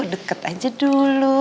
deket aja dulu